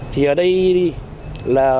thì ở đây là